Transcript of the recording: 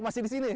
masih di sini